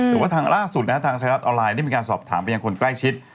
แต่ว่าทางล่าสุดนะฮะทางไทยรัฐออนไลน์ได้มีการสอบถามไปยังคนใกล้ชิด